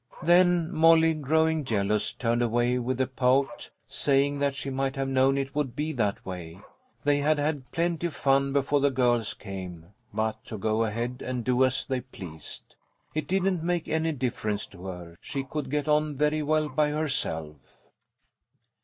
Then Molly, growing jealous, turned away with a pout, saying that she might have known it would be that way. They had had plenty of fun before the girls came, but to go ahead and do as they pleased. It didn't make any difference to her. She could get on very well by herself.